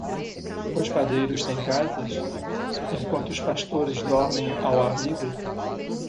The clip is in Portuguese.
Os padeiros têm casas? enquanto os pastores dormem ao ar livre.